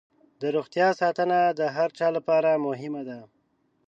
د روغتیا ساتنه د هر چا لپاره مهمه ده.